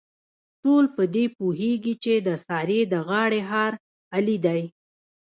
ټول په دې پوهېږي، چې د سارې د غاړې هار علي دی.